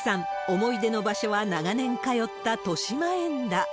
思い出の場所は長年通ったとしまえんだ。